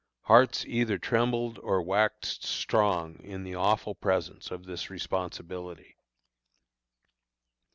Hearts either trembled or waxed strong in the awful presence of this responsibility.